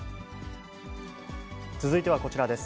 続いてはこちらです。